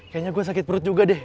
kayaknya gue sakit perut juga deh